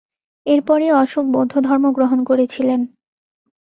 এর পরই অশোক বৌদ্ধধর্ম গ্রহণ করেছিলেন।